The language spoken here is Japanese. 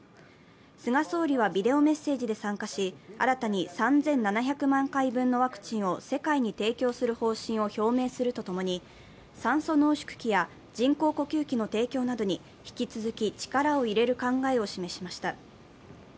菅総理はビデオメッセージで参加し、新たに３７００回万回分のワクチンを世界に提供する方針を表明するとともに、酸素濃縮器や人工呼吸器などの提供などに引き続き力を入れる考えを示しました。